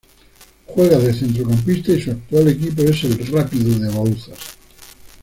Juega de Centrocampista y su actual equipo es el Rápido de Bouzas.